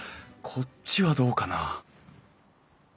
こっちはどうかな？